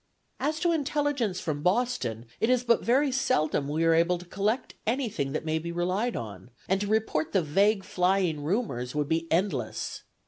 ... "As to intelligence from Boston, it is but very seldom we are able to collect anything that may be relied on; and to report the vague flying rumors would be endless.